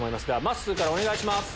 まっすーからお願いします。